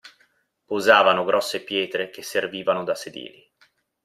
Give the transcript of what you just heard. Posavano grosse pietre che servivano da sedili.